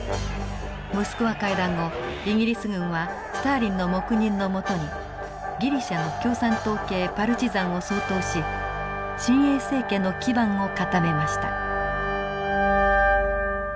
モスクワ会談後イギリス軍はスターリンの黙認の下にギリシャの共産党系パルチザンを掃討し親英政権の基盤を固めました。